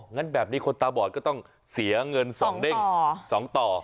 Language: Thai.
งั้นแบบนี้คนตาบอดก็ต้องเสียเงิน๒เด้ง๒ต่อ